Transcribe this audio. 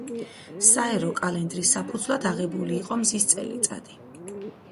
საერო კალენდრის საფუძვლად აღებული იყო მზის წელიწადი.